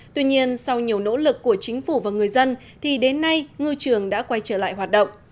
tuy nhiên sau nhiều nỗ lực của chính phủ và người dân thì đến nay ngư trường đã quay trở lại hoạt động